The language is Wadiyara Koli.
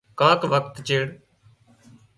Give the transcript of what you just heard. ڪانڪ وکت چيڙ